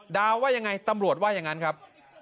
ว่ายังไงตำรวจว่าอย่างนั้นครับ